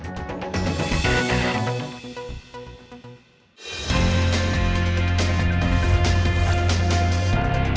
sampai jumpa lagi